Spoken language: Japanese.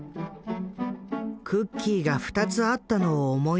「クッキーが２つあったのを思い出すよ